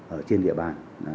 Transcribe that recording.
ở trên địa bàn